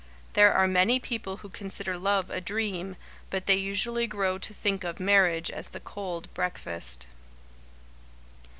There are many people who consider love a dream, but they usually grow to think of marriage as the cold breakfast.